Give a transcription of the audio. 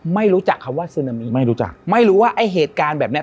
ไม่รู้จักคำว่าซึนามิไม่รู้จักไม่รู้ว่าไอ้เหตุการณ์แบบเนี้ย